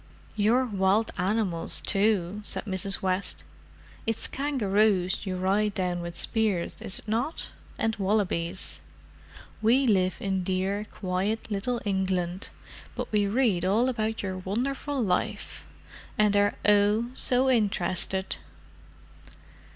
"Your wild animals, too," said Mrs. West. "It's kangaroos you ride down with spears, is it not? And wallabies. We live in dear, quiet little England, but we read all about your wonderful life, and are oh! so interested."